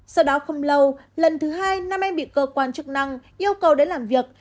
sau đó không lâu lần thứ hai nam anh bị cơ quan chức năng yêu cầu đến làm việc